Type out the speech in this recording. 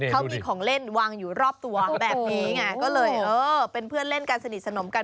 เขามีของเล่นวางอยู่รอบตัวแบบนี้ไงก็เลยเออเป็นเพื่อนเล่นกันสนิทสนมกัน